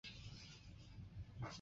塞尔维利。